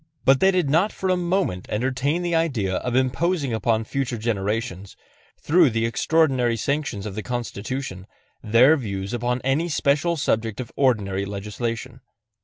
But they did not for a moment entertain the idea of imposing upon future generations, through the extraordinary sanctions of the Constitution, their views upon any special subject of ordinary legislation.